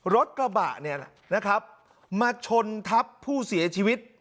รถกระบะเนี่ยนะครับมาชนทับผู้เสียชีวิต